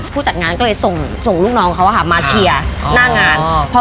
ผู้จัดงานก็เลยส่งส่งลูกน้องเขาอะค่ะมาเคลียร์หน้างาน